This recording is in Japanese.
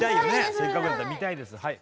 せっかくだったら見たいですはい。